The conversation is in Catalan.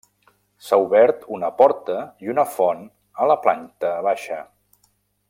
S'ha obert una porta i una font a la planta baixa.